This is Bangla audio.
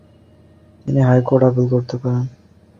একই দিন তাঁকে জামিন দেওয়া হয়, যাতে তিনি হাইকোর্টে আপিল করতে পারেন।